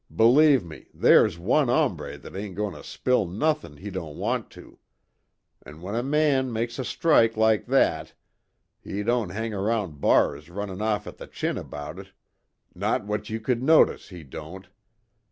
Believe me, there's one hombre that ain't goin' to spill nothin' he don't want to. An' when a man makes a strike like that he don't hang around bars runnin' off at the chin about it not what you could notice, he don't.